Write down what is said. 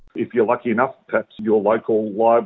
jika anda beruntung mungkin library lokal anda